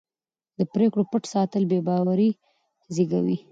د پرېکړو پټ ساتل بې باوري زېږوي